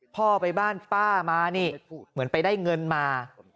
พ่อไปบ้านป้ามานี่เหมือนไปได้เงินมา